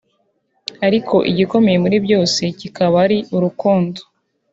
Ariko igikomeye muri byose kikaba ari urukundo